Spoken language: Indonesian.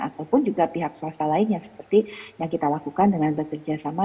ataupun juga pihak swasta lainnya seperti yang kita lakukan dengan bekerja sama